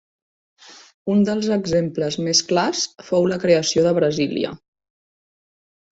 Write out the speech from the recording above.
Un dels exemples més clars fou la creació de Brasília.